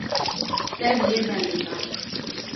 dev jê berdida.